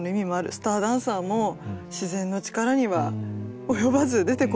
スターダンサーも自然の力には及ばず出てこれない。